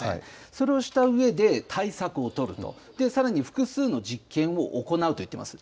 それをしたうえで、対策を取ると、さらに、複数の実験を行うと言っています。